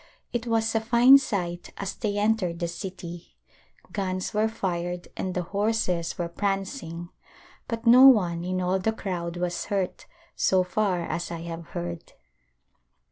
It was a fine sight as they entered the city. Guns were fired and the horses were prancing, but no one in all the crowd was hurt, so far as I have heard.